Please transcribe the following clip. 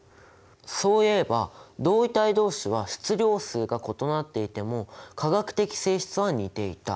そういえば同位体同士は質量数が異なっていても化学的性質は似ていた。